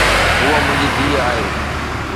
ھوءَ منھنجي ڌيءَ آھي.